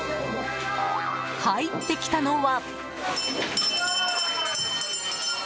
入ってきたのは。